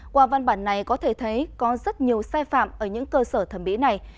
qua văn bản này có thể thấy có rất nhiều sai phạm ở những cơ sở thẩm mỹ này